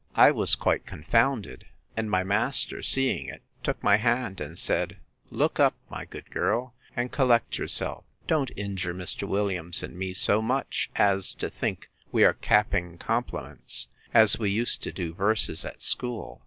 I was quite confounded; and my master, seeing it, took my hand, and said, Look up, my good girl; and collect yourself.—Don't injure Mr. Williams and me so much, as to think we are capping compliments, as we used to do verses at school.